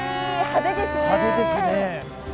派手ですね。